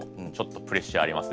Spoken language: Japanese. プレッシャーありますか。